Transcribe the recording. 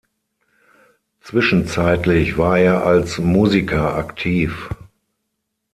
Zwischenzeitlich war er als Musiker aktiv.